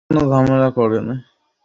গাঙুবাইয়ের এলাকায় এসে ক্ষমতার কথা বলিস!